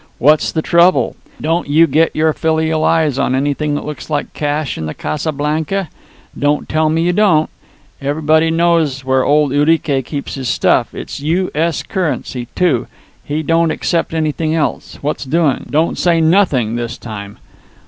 What's the trouble? Don't you get your filial eyes on anything that looks like cash in the Casa Blanca? Don't tell me you don't. Everybody knows where old Urique keeps his stuff. It's U.S. currency, too; he don't accept anything else. What's doing? Don't say 'nothing' this time."